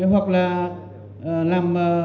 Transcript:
hoặc là làm